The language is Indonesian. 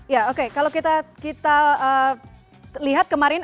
ya oke kalau kita lihat kemarin